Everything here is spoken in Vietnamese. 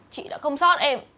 chị đã không xót em